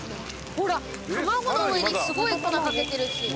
ほら卵の上にすごい粉かけてるし。